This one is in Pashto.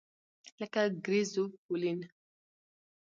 لکه ګریزوفولوین.